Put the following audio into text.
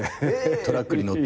トラックに乗って。